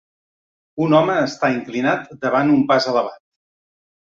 Un home està inclinat davant un pas elevat.